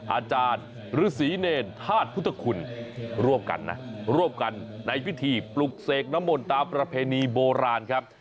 อาจารย์ฤษีเนรธาตุพุทธคุณร่วมกันนะร่วมกันในพิธีปลุกเสกน้ำมนต์ตามประเพณีโบราณครับ